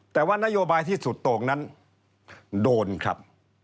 แต่ว่านโยบายที่สุดโต่งนั้นโดนครับ